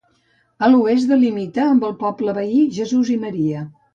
A l'oest delimita amb el poble veí, Jesús i Maria.